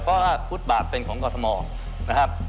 เพราะว่าฟุตบาทเป็นของกรทมนะครับ